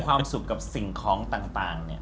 ความสุขกับสิ่งของต่างเนี่ย